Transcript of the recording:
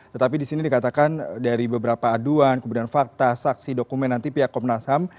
tetapi di sini dikatakan dari beberapa aduan kemudian fakta saksi dokumen nanti pihak komnas ham